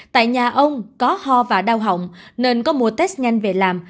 tại nhà ông có ho và đau hỏng nên có mua test nhanh về làm